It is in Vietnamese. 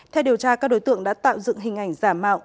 theo điều tra các đối tượng đã tạo dựng hình ảnh giả mạo